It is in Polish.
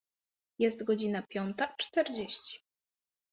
Jest godzina piąta czterdzieści.